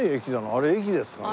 あれ駅ですかね？